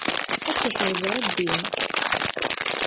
Ad k-iḥrez Rebbi!